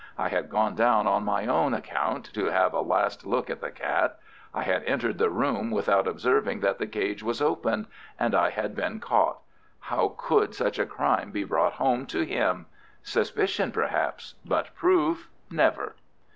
I had gone down on my own account to have a last look at the cat. I had entered the room without observing that the cage was opened, and I had been caught. How could such a crime be brought home to him? Suspicion, perhaps—but proof, never!